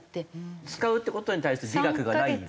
使うって事に対して美学がないんですよね。